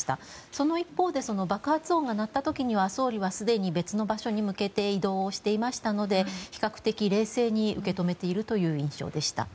その一方で爆発音が鳴った時には総理はすでに別の場所に向けて移動をしていましたので比較的、冷静に受け止めている印象でした。